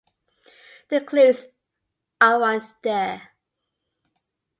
The clues aren't there.